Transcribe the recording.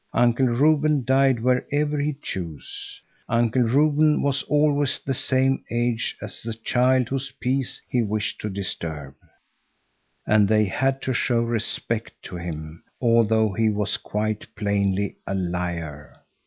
Uncle Reuben died wherever he chose. Uncle Reuben was always the same age as the child whose peace he wished to disturb. And they had to show respect to him, although he was quite plainly a liar.